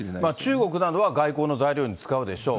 中国などは外交の材料に使うでしょう。